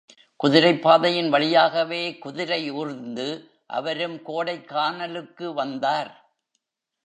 குதிரைப் பாதையின் வழியாகவே குதிரையூர்ந்து அவரும் கோடைக்கானலுக்கு வந்தார்.